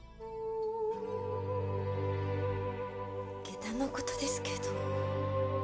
下駄の事ですけど。